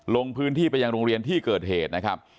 ลงพื้นที่ไปยังโรงเรียนที่เกิดเหตุนะครับ